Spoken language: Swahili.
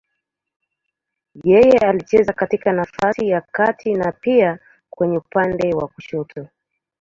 Yeye alicheza katika nafasi ya kati na pia kwenye upande wa kushoto.